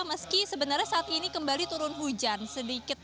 meski sebenarnya saat ini kembali turun hujan sedikit